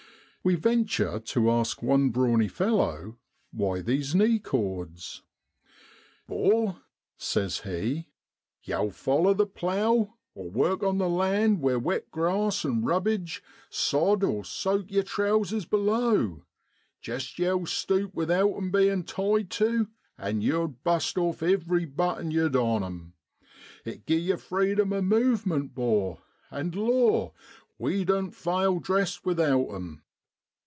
We venture to ask one brawny fellow ' why these knee cords ?' NOVEMBER IN BROADLAND. 125 1 'Bor,' says he, l yow foller the plough, or work on the land where wet grass an' rubbidge sod (soak) yer trowsers below, jest yow stoop without 'em being tied to, and yow'd bust off ivery button yow'd on 'em. It gi'e yer freedom o' movement, 'bor, and law ! we doan't fale dressed without 'em.'